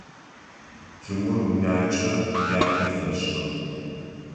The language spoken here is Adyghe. Тимур унакӏэ ятэ фешӏы.